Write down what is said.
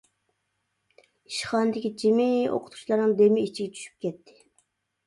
ئىشخانىدىكى جىمى ئوقۇتقۇچىلارنىڭ دېمى ئىچىگە چۈشۈپ كەتتى.